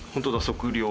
「測量」。